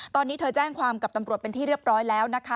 ตอนนี้เธอแจ้งความกับตำรวจเป็นที่เรียบร้อยแล้วนะคะ